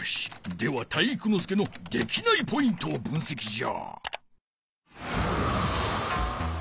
では体育ノ介のできないポイントをぶんせきじゃ！